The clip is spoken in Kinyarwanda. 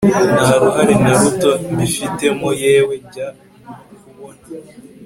ntaruhare naruto mbifitemo yewe jya nokubona